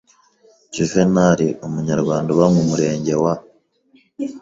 Juv nal Umunyarwanda uba mu Murenge wa